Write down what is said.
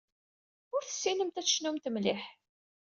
Ur tessinemt ad tecnumt mliḥ.